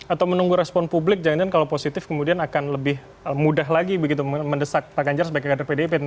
atau menunggu respon publik jangan jangan kalau positif kemudian akan lebih mudah lagi begitu mendesak pak ganjar sebagai kader pdip